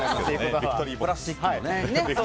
プラスチックのね。